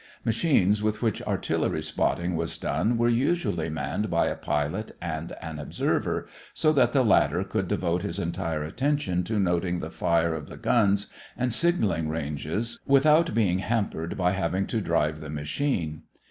Machines with which artillery spotting was done were usually manned by a pilot and an observer, so that the latter could devote his entire attention to noting the fire of the guns and signaling ranges without being hampered by having to drive the machine.